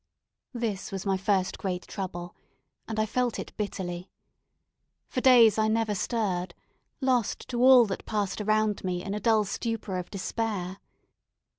This was my first great trouble, and I felt it bitterly. For days I never stirred lost to all that passed around me in a dull stupor of despair.